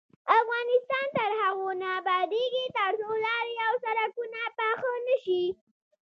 افغانستان تر هغو نه ابادیږي، ترڅو لارې او سرکونه پاخه نشي.